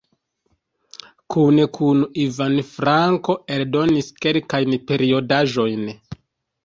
Kune kun Ivan Franko eldonis kelkajn periodaĵojn.